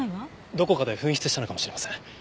どこかで紛失したのかもしれません。